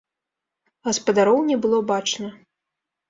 Гаспадароў не было бачна.